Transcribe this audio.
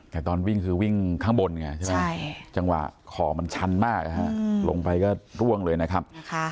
แต่ตอนวิ่งคือวิ่งข้างบนไงใช่ไหมจังหวะขอมันชันมากลงไปก็ร่วงเลยนะครับ